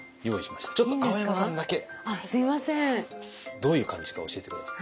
どういう感じか教えて下さい。